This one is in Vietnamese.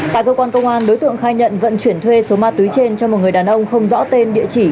tại cơ quan công an đối tượng khai nhận vận chuyển thuê số ma túy trên cho một người đàn ông không rõ tên địa chỉ